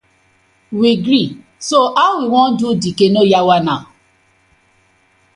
We gree, so how we wan do de canoe yawa naw?